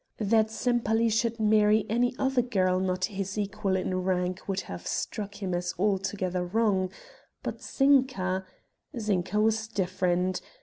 That Sempaly should marry any other girl not his equal in rank would have struck him as altogether wrong, but Zinka Zinka was different.